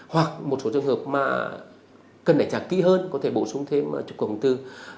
hoặc một số trường hợp mà cần để trạng kỹ hơn có thể bổ sung thêm trục cổng tư